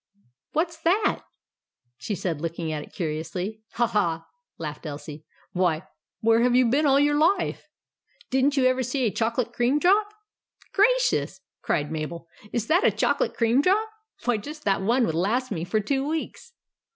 "What's that?" she said, looking at it curiously. " Ha, ha," laughed Elsie. " Why, where have you been all your life ? Did n't you ever see a chocolate cream drop ?"" Gracious !" cried Mabel. " Is that a chocolate cream drop? Why, just that one would last me for two weeks."